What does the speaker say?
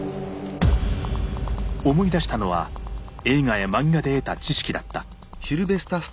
思い出したのは映画や漫画で得た知識だった。